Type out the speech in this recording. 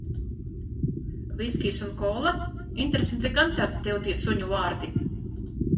Viskijs un Kola? Interesanti gan tev tie su?u v?rdi!